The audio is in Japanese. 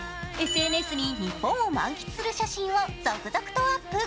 ＳＮＳに日本を満喫する写真を続々とアップ。